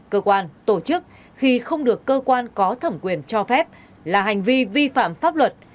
cơ quan tổ chức khi không được cơ quan có thẩm quyền cho phép là hành vi vi phạm pháp luật